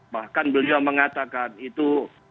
bahkan beliau mengatakan itu